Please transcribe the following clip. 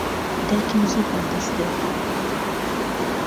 دایکم زوو هەڵدەستێت.